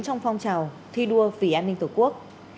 trong phong trào thi đua vì an ninh tổ quốc